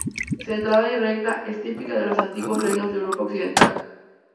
Centrada y recta, es típica de los antiguos reinos de Europa occidental.